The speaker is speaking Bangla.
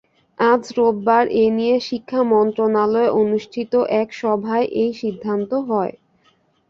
আজ রোববার এ নিয়ে শিক্ষা মন্ত্রণালয়ে অনুষ্ঠিত এক সভায় এই সিদ্ধান্ত হয়।